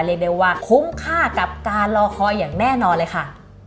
เรียกได้ว่าคุ้มค่ากับการรอคอยอย่างแน่นอนเลยค่ะ